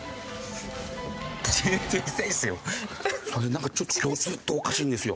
なんかちょっと今日ずっとおかしいんですよ。